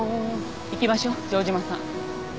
行きましょう城島さん。